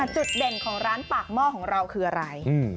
จุดเด่นของร้านปากหม้อของเราคืออะไร